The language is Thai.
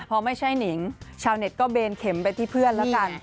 พอไม่ใช่หนิงชาวเน็ตก็เบนเข็มไปที่เพื่อนแล้วกัน